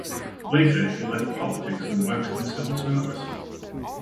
Later he left politics and works in the civil service.